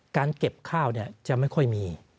การเก็บข้าวจะไม่ค่อยมี